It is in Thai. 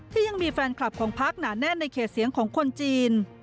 ที่ยังมีแฟนคลับของพักหนาแน่นในเขตเสียงของคนจีน